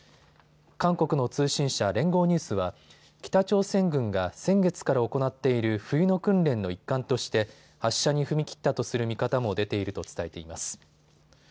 韓国の通信社、連合ニュースは北朝鮮軍が先月から行っている冬の訓練の一環として発射に踏み切ったとする見方も出ていると伝えています。